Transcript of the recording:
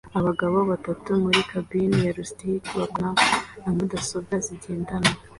Abagabo batatu muri kabine ya rustic bakorana na mudasobwa zigendanwa